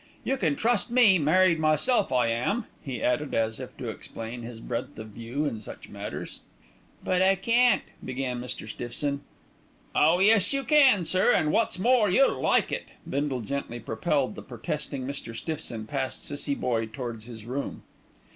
You can trust me, married myself I am," he added as if to explain his breadth of view in such matters. "But I can't " began Mr. Stiffson. "Oh, yes you can, sir, an' wot's more you'll like it." Bindle gently propelled the protesting Mr. Stiffson past Cissie Boye towards his room.